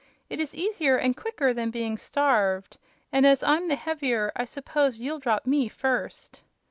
It is easier and quicker than being starved. And, as I'm the heavier, I suppose you'll drop me first."